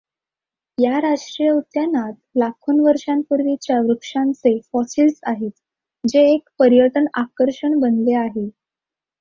या राष्ट्रीय उद्यानात लाखो वर्षांपूर्वीच्या वृक्षांचे फॉसिल्स आहेत जे एक पर्यटन आकर्षण बनले आहे.